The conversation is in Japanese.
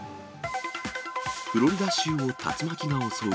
フロリダ州を竜巻が襲う。